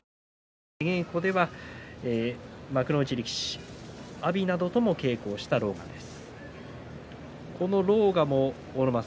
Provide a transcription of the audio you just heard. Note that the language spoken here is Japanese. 出稽古では幕内力士、阿炎などとも稽古をした狼雅です。